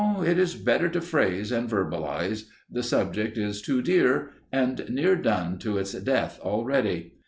it is better to phrase and verbalize; the subject is too dear, and near done to its death already.